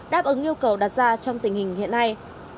đáp ứng yêu cầu đặt ra trong tình hình hiện nay